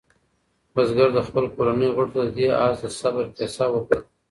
بزګر د خپلې کورنۍ غړو ته د دې آس د صبر کیسه وکړه.